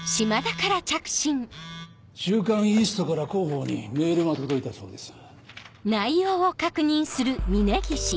『週刊イースト』から広報にメールが届いたそうです。